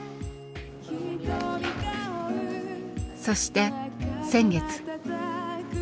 そして先月。